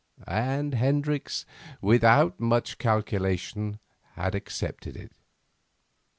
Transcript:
And Hendricks, without much calculation, had accepted it.